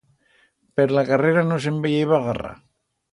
Per la carrera no se'n veyeba garra.